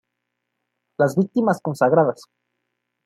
Las víctimas consagradas.